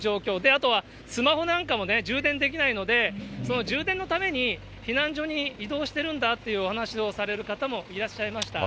あとはスマホなんかもね、充電できないので、その充電のために避難所に移動してるんだというお話をされる方もいらっしゃいました。